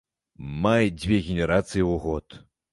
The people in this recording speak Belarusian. Мае дзве генерацыі ў год.